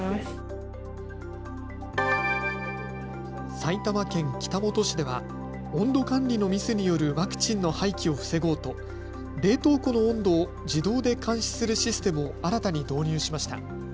埼玉県北本市では温度管理のミスによるワクチンの廃棄を防ごうと冷凍庫の温度を自動で監視するシステムを新たに導入しました。